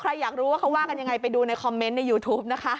อยากรู้ว่าเขาว่ากันยังไงไปดูในคอมเมนต์ในยูทูปนะคะ